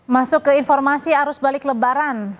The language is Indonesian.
masuk ke informasi arus balik lebaran